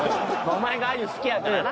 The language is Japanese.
お前があゆ好きやからな。